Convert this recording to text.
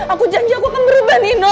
aku janji aku akan berubah nino